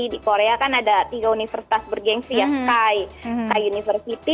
di korea kan ada tiga universitas bergensi ya sky university